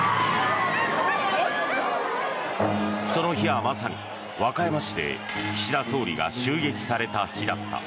その日はまさに、和歌山市で岸田総理が襲撃された日だった。